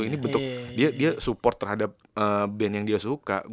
ini bentuk dia support terhadap band yang dia suka